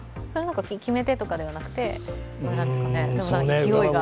それは決めてとかではなくてですかね？